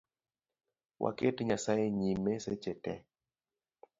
Waket Nyasaye nyime seche tee